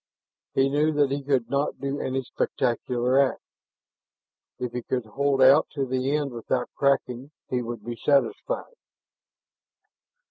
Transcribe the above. He knew that he could not do any spectacular act; if he could hold out to the end without cracking he would be satisfied.